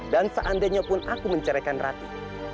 dan seandainya pun aku menceraikan rati